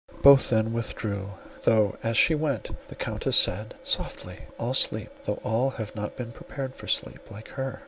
Both then withdrew; though, as she went, the Countess said, "Softly; all sleep; though all have not been prepared for sleep, like her.